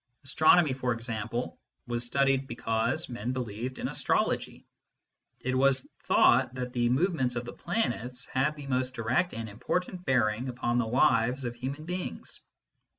Astronomy, for example, was studied because men believed in astrology : it was thought that the movements of the planets had the most direct and im portant bearing upon the lives of human beings.